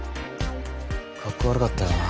かっこ悪かったよな